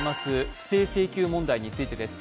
不正請求問題についてです。